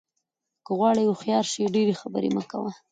که غواړې هوښیار شې ډېرې خبرې مه کوه.